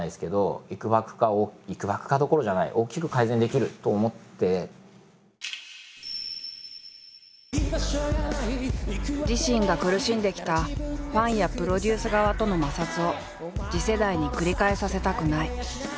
きっとそれはたぶん自身が苦しんできたファンやプロデュース側との摩擦を次世代に繰り返させたくない。